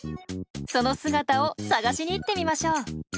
その姿を探しに行ってみましょう。